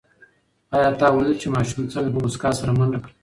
آیا تا ولیدل چې ماشوم څنګه په موسکا سره منډه کړه؟